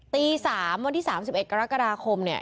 ตี๓วันที่๓๑กรกฎาคมเนี่ย